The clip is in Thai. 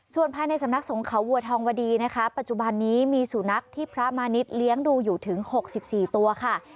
ส่วนภายในสำนักสงเขาวัวทองวดีนะคะปัจจุบันนี้มีสุนัขที่พระมาณิชย์เลี้ยงดูอยู่ถึง๖๔ตัวค่ะ